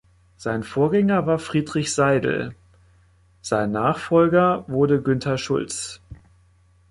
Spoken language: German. Sein Vorgänger war Friedrich Seidel; sein Nachfolger wurde Günther Schulz.